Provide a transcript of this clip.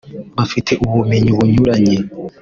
bafite ubumenyi bunyuranye